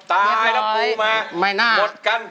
ตายแล้วปูมาหมดกัน